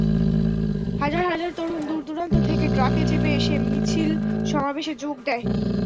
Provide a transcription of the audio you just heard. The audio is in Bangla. হাজার হাজার তরুণ দূরদূরান্ত থেকে ট্রাকে চেপে এসে মিছিল-সমাবেশে যোগ দেয়।